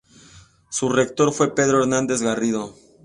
Su rector fue Pedro Hernández Garrido.